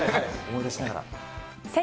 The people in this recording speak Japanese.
思い出しながら。